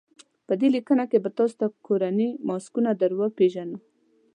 په دې لیکنه کې به تاسو ته کورني ماسکونه در وپېژنو.